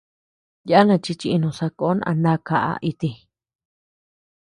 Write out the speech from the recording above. Yana chi chìnu sako a nda kaʼa iti.